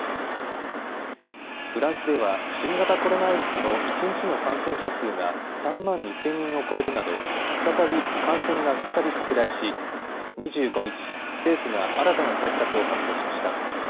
フランスでは新型コロナウイルスの一日の感染者数が３万２０００人を超えるなど感染が再び拡大し２５日、政府が新たな対策を発表しました。